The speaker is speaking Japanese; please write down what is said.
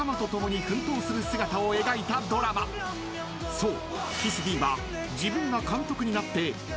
［そう］